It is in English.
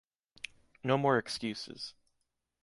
No more excuses.